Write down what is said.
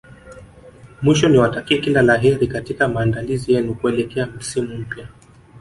Mwisho niwatakie kila la kheri katika maandalizi yenu kuelekea msimu mpya